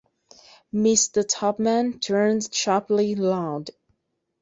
Mr. Tupman turned sharply round.